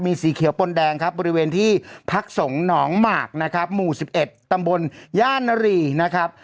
มีสีเขียวปนแดงครับบริเวณที่พักสงฆ์หนองหมากนะครับหมู่๑๑ตำบลย่านนารีนะครับ